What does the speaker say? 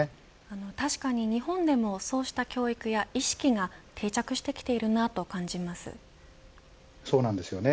確かに日本でもそうした教育や意識がそうなんですよね。